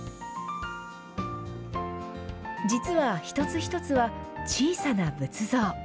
実は一つ一つは小さな仏像。